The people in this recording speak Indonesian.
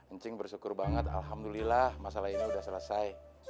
engcing bersyukur banget alhamdulillah masalah ini udah selesai